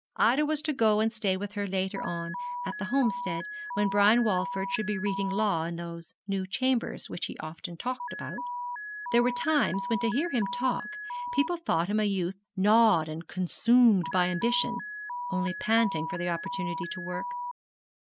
Ida was to go and stay with her later on at the Homestead, when Brian Walford should be reading law in those new Chambers which he often talked about. There were times when to hear him talk people thought him a youth gnawed and consumed by ambition, only panting for the opportunity to work.